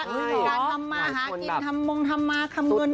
การทำมาหากินทำมงทำมาทำเงิน